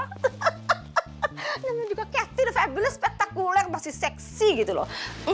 namanya juga cathy the fabulous spectacular masih seksi gitu loh